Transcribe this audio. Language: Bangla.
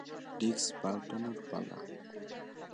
ডিস্ক পাল্টানোর পালা।